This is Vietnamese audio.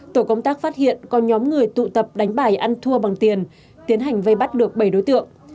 tổ công tác phát hiện có nhóm người tụ tập đánh bài ăn thua bằng tiền tiến hành vây bắt được bảy đối tượng